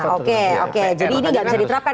oke oke jadi ini nggak bisa diterapkan